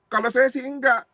kalau saya sih enggak